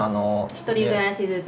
１人暮らしずつ。